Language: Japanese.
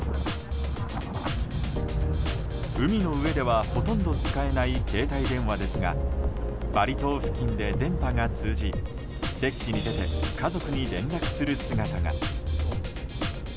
海の上では、ほとんど使えない携帯電話ですがバリ島付近で、電波が通じデッキに出て家族に連絡する姿が。